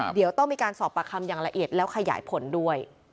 เดี๋ยวต้องมีการสอบปากคำอย่างละเอียดแล้วขยายผลด้วย